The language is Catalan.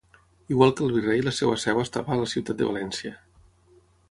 Igual que el virrei la seva seu estava a la ciutat de València.